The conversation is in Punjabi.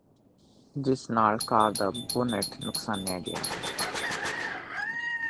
ਜਿਸ ਨਾਲ ਕਾਰ ਦਾ ਬੁਨੇਟ ਨੁਕਸਾਨਿਆ ਗਿਆ